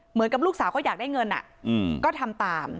เหมือนกับลูกสาวเขาอยากได้เงินก็ทำตาม